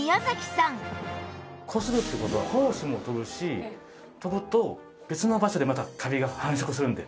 こするっていう事は胞子も飛ぶし飛ぶと別の場所でまたカビが繁殖するんで。